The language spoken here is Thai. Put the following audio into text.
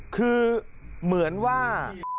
คือเหมือนว่า